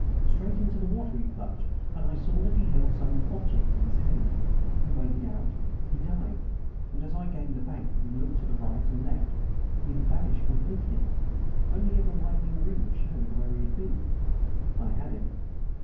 Straight into the water he plunged; and I saw that he held some object in his hand. He waded out; he dived; and as I gained the bank and looked to right and left he had vanished completely. Only ever widening rings showed where he had been. I had him.